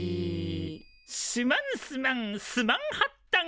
すまんすまんスマンハッタン。